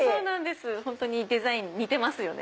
本当にデザイン似てますよね。